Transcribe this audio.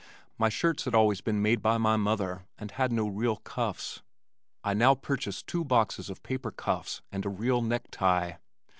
My shirts had always been made by my mother and had no real cuffs. I now purchased two boxes of paper cuffs and a real necktie.